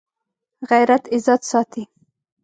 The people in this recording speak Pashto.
غیرت عزت ساتي